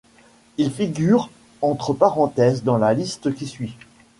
Il figure entre parenthèses dans la liste qui suit.